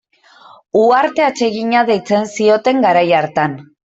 Uharte atsegina deitzen zioten garai hartan.